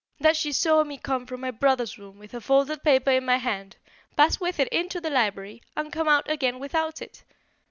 That she saw me come from my brother's room with a folded paper in my hand, pass with it into the library, and come out again without it.